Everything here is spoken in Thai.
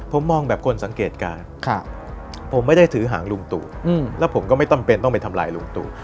ผมมองแบบคนสังเกตการณ์ผมไม่ได้ถือหางลุงตู่แล้วผมก็ไม่จำเป็นต้องไปทำลายลุงตู่